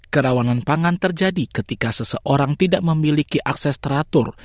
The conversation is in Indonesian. kerawanan pangan terjadi ketika seseorang tidak memiliki akses teratur